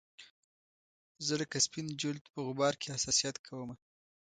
زه لکه سپین جلد په غبار کې حساسیت کومه